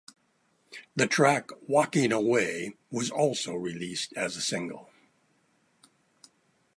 The track "Walking Away" was also released as a single.